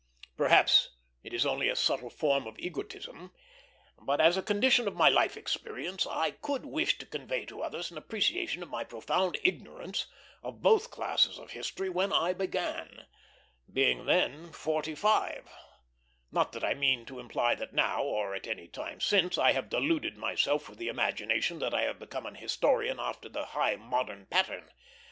Perhaps it is only a subtle form of egotism, but as a condition of my life experience I could wish to convey to others an appreciation of my profound ignorance of both classes of history when I began, being then forty five; not that I mean to imply that now, or at any time since, I have deluded myself with the imagination that I have become an historian after the high modern pattern.